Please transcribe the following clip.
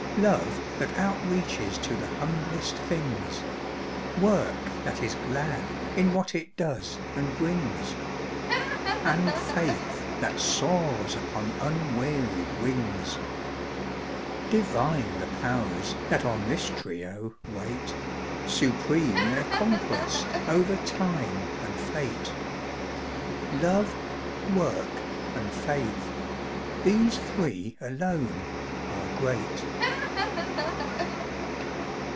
Love, that outreaches to the humblest things; Work that is glad, in what it does and brings; And faith that soars upon unwearied wings. Divine the Powers that on this trio wait. Supreme their conquest, over Time and Fate. Love, Work, and Faith—these three alone are great.